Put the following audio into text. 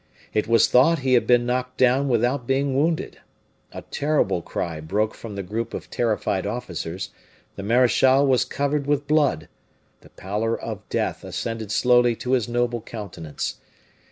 It was thought he had been knocked down without being wounded. A terrible cry broke from the group of terrified officers; the marechal was covered with blood; the pallor of death ascended slowly to his noble countenance.